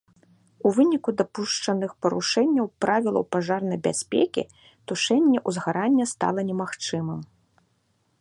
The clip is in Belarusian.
У выніку дапушчаных парушэнняў правілаў пажарнай бяспекі тушэнне узгарання стала немагчымым.